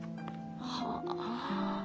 はあ。